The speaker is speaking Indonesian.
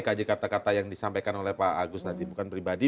kaji kata kata yang disampaikan oleh pak agus nanti bukan pribadi